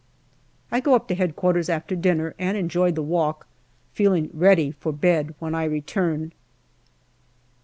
I go up to H.Q. after dinner and enjoy the walk, feeling ready for bed when I return.